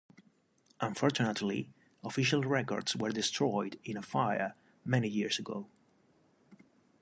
Unfortunately, official records were destroyed in a fire many years ago.